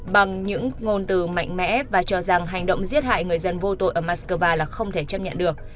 bằng những ngôn từ mạnh mẽ và cho rằng hành động giết hại người dân vô tội ở moscow là không thể chấp nhận được